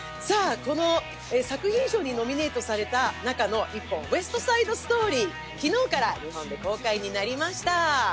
この作品賞にノミネートされた中の１本、「ウエスト・サイド・ストーリー」、昨日から日本で公開になりました。